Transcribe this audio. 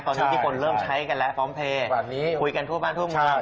ตอนนี้ทุกคนเริ่มใช้กันแล้วพร้อมเพลย์คุยกันทั่วบ้านทั่วเมือง